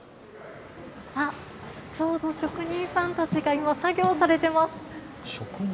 ちょうど職人さんたちが今、作業されています。